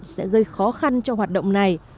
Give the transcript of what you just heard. sẽ gây khó khăn cho hoạt động này